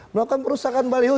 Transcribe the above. melakukan perusahaan baliho